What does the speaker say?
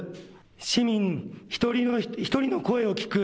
市民一人一人の声を聞く